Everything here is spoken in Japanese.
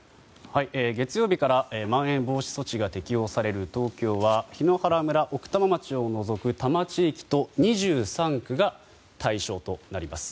月曜日からまん延防止措置が適用される東京は檜原村、奥多摩町を除く多摩地域と２３区が対象となります。